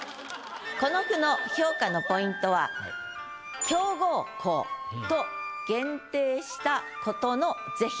この句の評価のポイントは「強豪校」と限定したことの是非です。